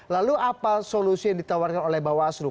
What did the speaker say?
lalu apa solusi yang ditawarkan oleh bawaslu